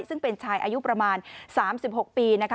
ซึ่งเป็นชายอายุประมาณ๓๖ปีนะคะ